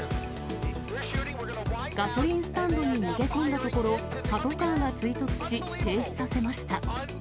ガソリンスタンドに逃げ込んだところ、パトカーが追突し、停止させました。